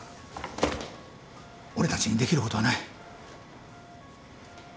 俺たちにできることはない。